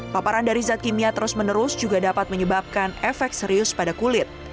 paparan dari zat kimia terus menerus juga dapat menyebabkan efek serius pada kulit